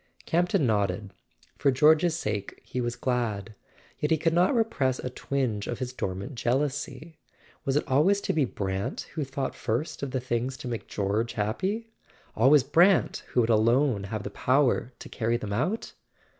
Campton nodded. For George's sake he was glad; yet he could not repress a twinge of his dormant jeal¬ ousy. Was it always to be Brant who thought first of the things to make George happy—always Brant who would alone have the power to carry them out?